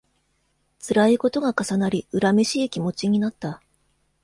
つらいことが重なり、恨めしい気持ちになった